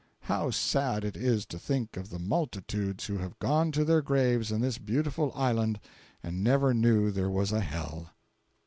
How sad it is to think of the multitudes who have gone to their graves in this beautiful island and never knew there was a hell!